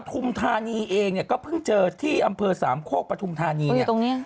ทุมธานีเองเนี่ยก็เพิ่งเจอที่อำเภอสามโคกปฐุมธานีเนี่ย